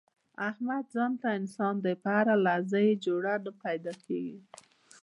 احمد ځانته انسان دی، په هر لحاظ یې جوړه نه پیداکېږي.